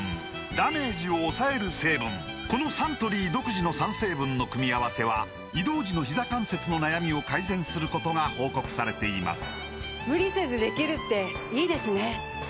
このサントリー独自の３成分の組み合わせは移動時のひざ関節の悩みを改善することが報告されています